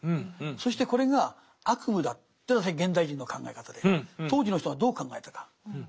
そしてこれが悪夢だというのは現代人の考え方で当時の人はどう考えたかこれは実はですね